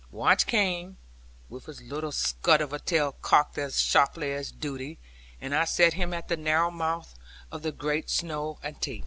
Watch came, with his little scut of a tail cocked as sharp as duty, and I set him at the narrow mouth of the great snow antre.